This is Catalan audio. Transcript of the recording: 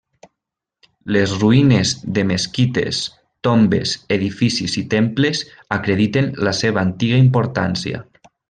Les ruïnes de mesquites, tombes, edificis i temples acrediten la seva antiga importància.